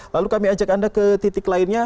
lalu kami ajak anda ke titik lainnya